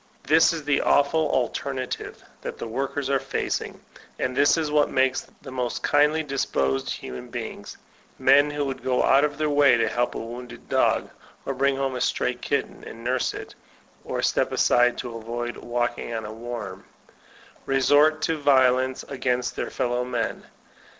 This is the awful alternative that the workers are fac ing; and this is what makes the most kindly disposed human beings, — men who would go out of their way to help a wounded dog, or bring home a stray kitten and nurse it, or step aside to avoid walking on a worm — re* sort to violence against their felbw men.